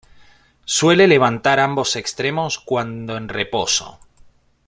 Suelen levantar ambos extremos cuando en reposo.